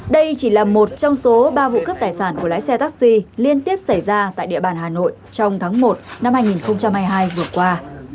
đây chỉ là một trong số ba vụ cướp tài sản của lái xe taxi liên tiếp xảy ra tại địa bàn hà nội trong tháng một năm hai nghìn hai mươi hai vừa qua